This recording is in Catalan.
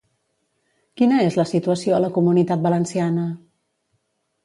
Quina és la situació a la Comunitat Valenciana?